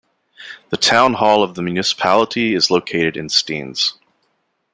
The town hall of the municipality is located in Stiens.